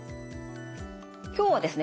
今日はですね